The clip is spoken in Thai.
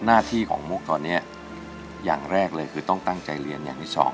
หน้าที่ของมุกตอนนี้อย่างแรกเลยคือต้องตั้งใจเรียนอย่างที่สอง